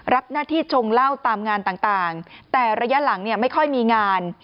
รับหน้าที่ชงเหล้าตามงานต่างแต่ระยะหลังเนี่ยไม่ค่อยมีงาน